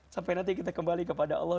sampai nanti kita kembali kepada allah